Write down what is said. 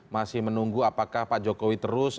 masih menunggu apakah pak jokowi terus